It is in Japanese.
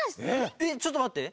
えっちょっとまって。